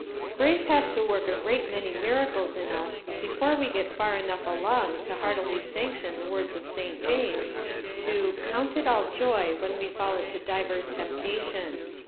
GRACE has to work a great many miracles in us before we get far enough along to heartily sanc tion the words of St. James, to "count it all joy when we fall into divers temptation."